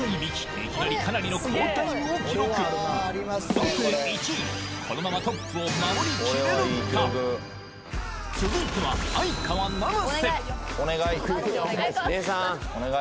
いきなりかなりの好タイムを記録暫定１位このままトップを守りきれるか続いては相川七瀬いくいく相川さん